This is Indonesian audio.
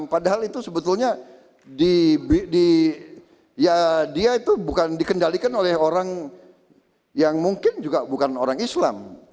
padahal itu sebetulnya dia itu bukan dikendalikan oleh orang yang mungkin juga bukan orang islam